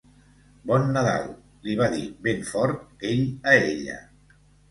"Bon Nadal!", li va dir ben fort ell a ella.